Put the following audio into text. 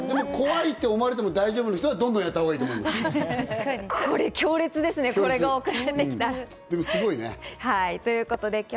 怖いって思われても大丈夫な人はどんどんやったほうがいいと思う。